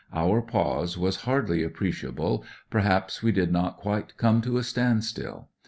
Our pause was hardly appreciable; perhaps we did not quite come to a standstill.